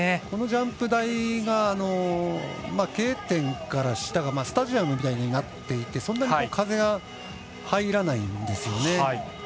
このジャンプ台がＫ点から下がスタジアムみたいになっていてそんなに風が入らないんですよね。